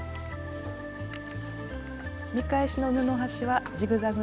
見返しの布端はジグザグ